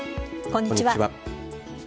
こんにちは。